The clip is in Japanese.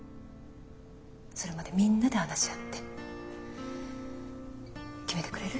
それまでみんなで話し合って決めてくれる？